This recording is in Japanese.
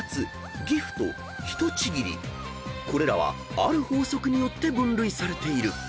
［これらはある法則によって分類されている］